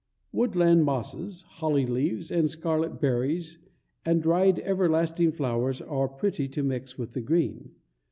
Woodland mosses, holly leaves and scarlet berries, and dried everlasting flowers are pretty to mix with the green.